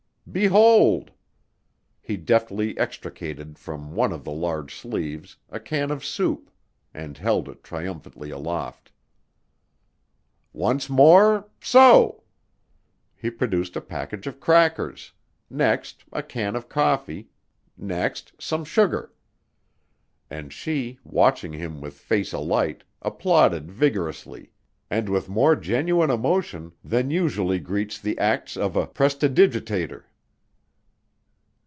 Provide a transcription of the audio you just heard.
Behold!" He deftly extricated from one of the large sleeves a can of soup, and held it triumphantly aloft. "Once more, so!" He produced a package of crackers; next a can of coffee, next some sugar. And she, watching him with face alight, applauded vigorously and with more genuine emotion than usually greets the acts of a prestidigitator.